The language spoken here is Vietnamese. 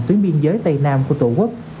tuyến biên giới tây nam của tổ quốc